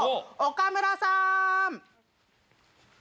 岡村さん。